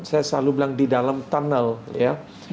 saya selalu bilang di dalam tunnel ya